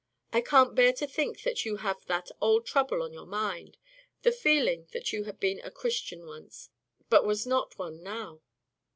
I can't bear to think that you have that old trouble on your mind the feeling that you had been a Christian once, but was not one now.